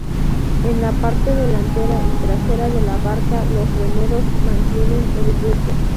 En la parte delantera y trasera de la barca, dos remeros mantienen el rumbo.